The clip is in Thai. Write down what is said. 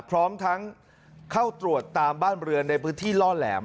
พร้อมทั้งเข้าตรวจตามบ้านเรือนในพื้นที่ล่อแหลม